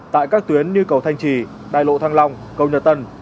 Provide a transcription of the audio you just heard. tại các tuyến như cầu thanh trì đại lộ thăng long cầu nhật tân